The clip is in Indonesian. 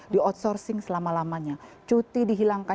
di outsourcing selama lamanya cuti dihilangkan